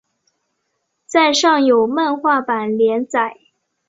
在上有漫画版连载。